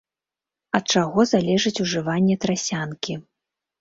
Ад чаго залежыць ужыванне трасянкі.